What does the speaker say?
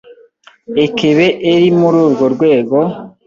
ekebe eri muri urwo rwego